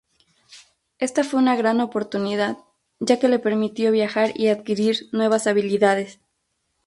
Esta fue una gran oportunidad, ya que le permitió viajar y adquirir nuevas habilidades.